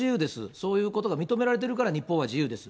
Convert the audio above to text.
そういうことが認められてるから、日本は自由です。